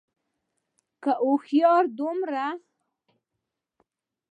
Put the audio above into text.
که هوښيار دومره